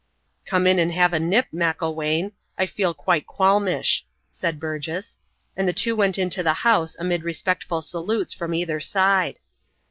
"Come in and have a nip, Macklewain. I feel quite qualmish," said Burgess. And the two went into the house amid respectful salutes from either side.